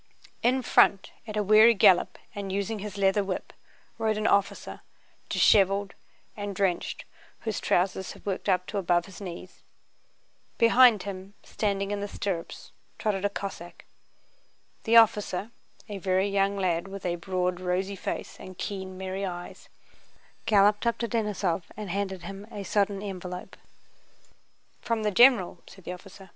In front, at a weary gallop and using his leather whip, rode an officer, disheveled and drenched, whose trousers had worked up to above his knees. Behind him, standing in the stirrups, trotted a Cossack. The officer, a very young lad with a broad rosy face and keen merry eyes, galloped up to Denísov and handed him a sodden envelope. "From the general," said the officer.